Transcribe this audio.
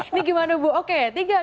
ini gimana bu oke tiga dua satu silahkan